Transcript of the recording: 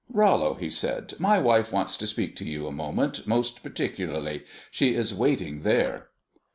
"Rollo," he said, "my wife wants to speak to you a moment most particularly. She is waiting there."